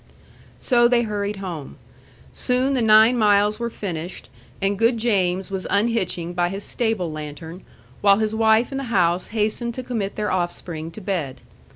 So they hurried home. Soon the nine miles were finished, and good James was unhitching by his stable lantern, while his wife in the house hastened to commit their offspring to bed.